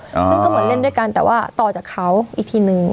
ซึ่งก็เหมือนเล่นด้วยกันแต่ว่าต่อจากเขาอีกทีนึง